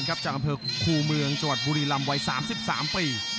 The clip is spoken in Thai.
จากอำเภอคูเมืองจังหวัดบุรีรำวัย๓๓ปี